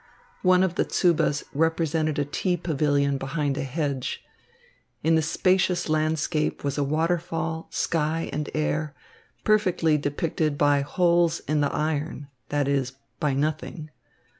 One of the tsubas represented a tea pavilion behind a hedge. In the spacious landscape was a waterfall, sky and air, perfectly depicted by holes in the iron, that is, by nothing.